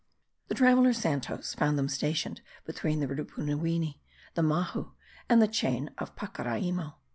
The traveller Santos found them stationed between the Rupunuwini, the Mahu, and the chain of Pacaraimo.